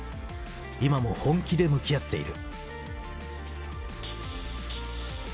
今も本気で向き合っている。